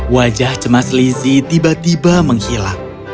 wajah cemas lizzie tiba tiba menghilang